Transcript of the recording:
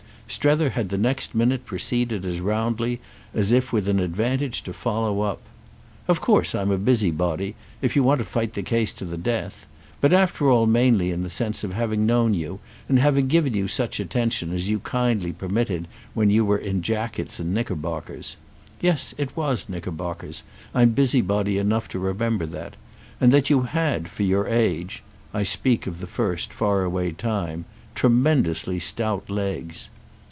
Strether had the next minute proceeded as roundly as if with an advantage to follow up. "Of course I'm a busybody, if you want to fight the case to the death; but after all mainly in the sense of having known you and having given you such attention as you kindly permitted when you were in jackets and knickerbockers. Yes—it was knickerbockers, I'm busybody enough to remember that; and that you had, for your age—I speak of the first far away time—tremendously stout legs.